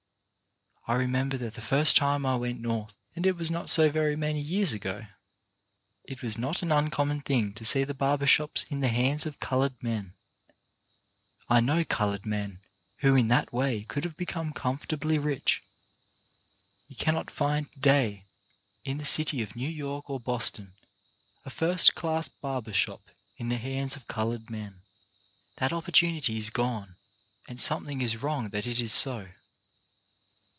I re member that the first time I went North — and it was not so very many years ago — it was not an uncommon thing to. see the barber shops in the hands of coloured men. I know coloured men who in that way could have become comfortably i2 4 CHARACTER BUILDING rich. You cannot find to day in the city of New York or Boston a first class barber shop in the hands of coloured men. That opportunity is gone, and something is wrong that it is so.